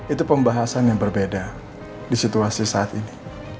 itu pembahasan yang berbeda di situasi saat ini